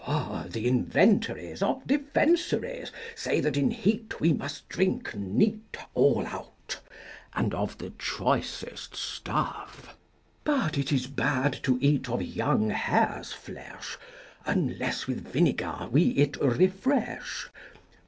For th' Inventories Of Defensories Say that in heat We must drink neat All out, and of The choicest stuff. But it is bad to eat of young hare's flesh, Unless with vinegar we it refresh.